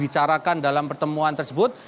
dibicarakan dalam pertemuan tersebut